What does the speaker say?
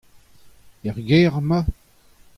Er gêr emañ ?